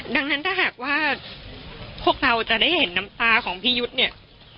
ดังนั้นถ้าหากว่าพวกเราจะได้เห็นน้ำตาของพี่ยุทธ์เนี่ย